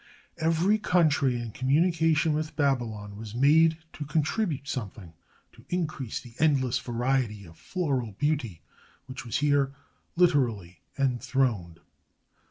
Every country in communication with Baby lon was made to contribute something to increase the S17 MESOPOTAMIA endless variety of floral beauty which was here literally enthroned.